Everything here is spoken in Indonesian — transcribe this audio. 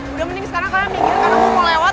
udah mending sekarang kalian mikirkan aku mau lewat